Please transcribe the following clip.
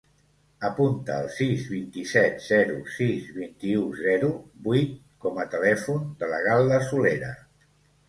Apunta el sis, vint-i-set, zero, sis, vint-i-u, zero, vuit com a telèfon de la Gal·la Solera.